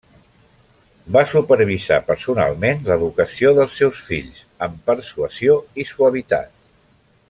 Va supervisar personalment l'educació dels seus fills, amb persuasió i suavitat.